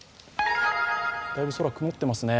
だいぶ空、曇っていますね。